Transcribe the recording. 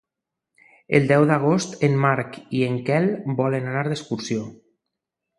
El deu d'agost en Marc i en Quel volen anar d'excursió.